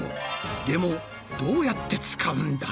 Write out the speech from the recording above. でもどうやって使うんだ？